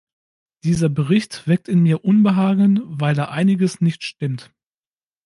Dieser Bericht weckt in mir Unbehagen, weil da einiges nicht stimmt.